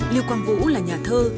lưu quang vũ là nhà thơ